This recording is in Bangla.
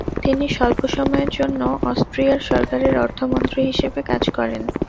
তিনি স্বল্প সময়ের জন্য অস্ট্রিয়ার সরকারের অর্থমন্ত্রী হিসেবে কাজ করেন।